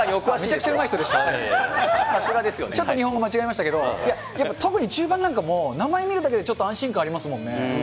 ちょっと日本語間違えましたけど、中盤なんかも名前見るだけでちょっと安心感ありますもんね。